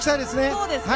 そうですね。